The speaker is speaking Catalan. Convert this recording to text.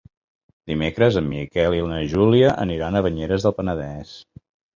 Dimecres en Miquel i na Júlia aniran a Banyeres del Penedès.